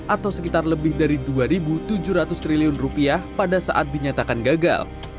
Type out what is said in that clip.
atau sekitar lebih dari rp dua tujuh ratus triliun rupiah pada saat dinyatakan gagal